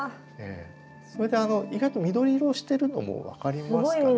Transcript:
それで意外と緑色をしてるのも分かりますかね？